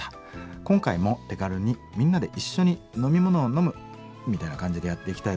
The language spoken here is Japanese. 今回も手軽にみんなで一緒に飲み物を飲むみたいな感じでやっていきたいと思います。